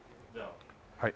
はい。